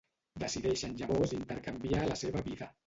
Decideixen llavors intercanviar la seva vida.